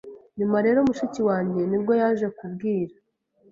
Nyuma rero mushiki wanjye nibwo yaje kubwira